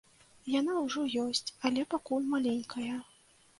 Яна ўжо ёсць, але пакуль маленькая.